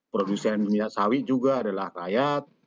produsen minyak sawit juga adalah rakyat